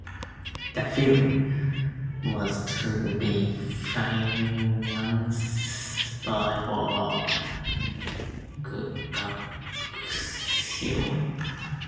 The film was to be financed by Bob Guccione.